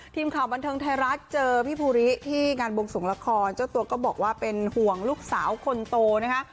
ทีมข่าวบันเทิงไทยรัฐเจอพี่ภูริที่งานวงสวงละครเจ้าตัวก็บอกว่าเป็นห่วงลูกสาวคนโตนะคะ